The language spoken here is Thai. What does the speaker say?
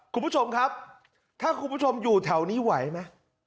คุณผู้ชมครับถ้าคุณผู้ชมอยู่แถวนี้ไหวไหม